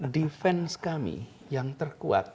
defense kami yang terkuat